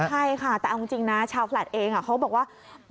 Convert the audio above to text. ใช่ค่ะแต่จริงชาวแฟลดเองเขาบอกว่า